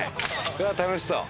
うわっ楽しそう！